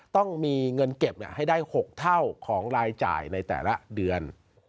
ต้องมีเงินเก็บให้ได้๖เท่าของรายจ่ายในแต่ละเดือน